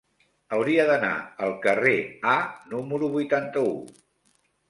Hauria d'anar al carrer A número vuitanta-u.